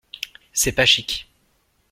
C’est pas chic !